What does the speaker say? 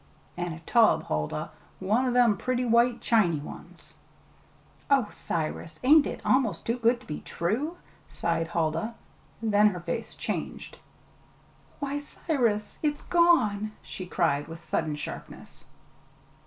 "An' a tub, Huldah one o' them pretty white chiny ones!" "Oh, Cyrus, ain't it almost too good to be true!" sighed Huldah: then her face changed. "Why, Cyrus, it's gone," she cried with sudden sharpness.